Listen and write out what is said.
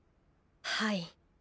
はい。